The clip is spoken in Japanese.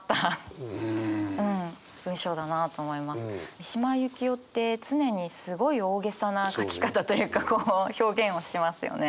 三島由紀夫って常にすごい大げさな書き方というかこう表現をしますよね。